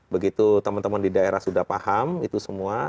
begitu teman teman di daerah sudah paham itu semua